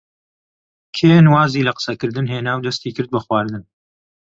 کێن وازی لە قسەکردن هێنا و دەستی کرد بە خواردن.